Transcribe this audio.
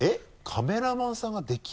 カメラマンさんができる？